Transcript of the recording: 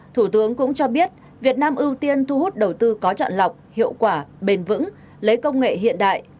thủ tướng cũng cho biết việt nam ưu tiên thu hút đầu tư có chọn lọc hiệu quả bền vững lấy công nghệ hiện đại